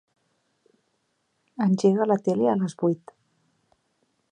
Engega la tele a les vuit.